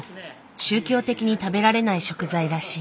宗教的に食べられない食材らしい。